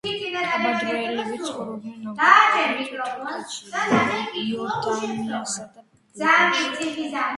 ყაბარდოელები ცხოვრობენ აგრეთვე თურქეთში, იორდანიასა და ლიბანში.